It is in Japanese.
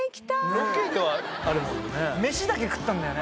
ロケではあるもんね。